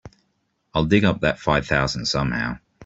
I'll dig up that five thousand somehow.